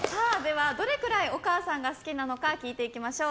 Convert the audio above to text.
は、どれくらいお母さんが好きなのか聞いていきましょう。